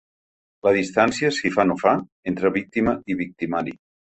La distància, si fa no fa, entre víctima i victimari.